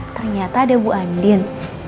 ternyata ada bu andien